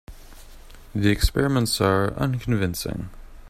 The experiments are unconvincing.